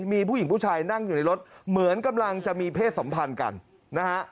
มีผู้หญิงผู้ชายนั่งอยู่ในรถเหมือนกำลังจะมีเพศสัมพันธ์กันนะฮะ